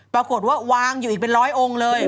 ปรากฏว่าวางอยู่อีกเป็นร้อยองค์เลย